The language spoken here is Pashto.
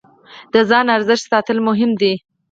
د ځان ارزښت ساتل مهم دی.